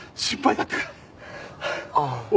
ああ。